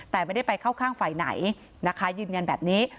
แต่ไม่ได้ไปเข้าข้างฝ่ายไหนนะคะยืนยันแบบนี้